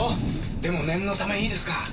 でも念のためいいですか？